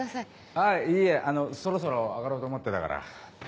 あぁいやそろそろ上がろうと思ってたから。